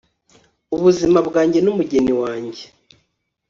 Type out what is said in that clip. ubuzima bwanjye numugeni wanjye